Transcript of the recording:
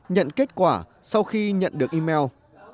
nhận kết quả sau khi nhận được email